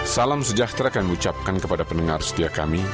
salam sejahtera kami ucapkan kepada pendengar setia kami